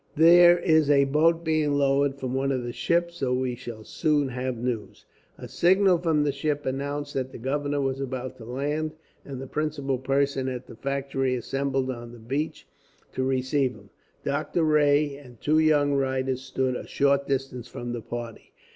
"There is a boat being lowered from one of the ships, so we shall soon have news." A signal from the ship announced that the governor was about to land, and the principal persons at the factory assembled on the beach to receive him. Doctor Rae and the two young writers stood, a short distance from the party.